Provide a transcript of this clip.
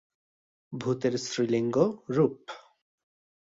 ভূতের স্ত্রীলিঙ্গ রূপ।